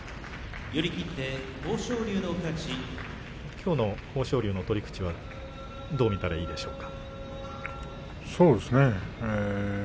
きょうの豊昇龍の取り口はどう見たらいいでしょうか。